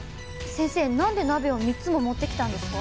先生何で鍋を３つも持ってきたんですか？